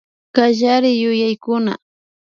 Kallariyuyaykuna